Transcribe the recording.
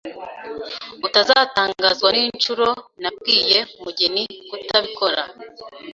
Uzatangazwa ninshuro nabwiye Mugeni kutabikora.